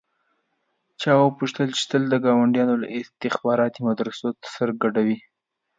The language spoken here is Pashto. چا وپوښتل چې تل د ګاونډ له استخباراتي مدرسو سر ټکوې.